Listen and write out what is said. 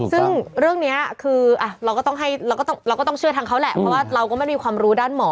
ซึ่งเรื่องนี้คือเราก็ต้องให้เราก็ต้องเชื่อทางเขาแหละเพราะว่าเราก็ไม่มีความรู้ด้านหมอ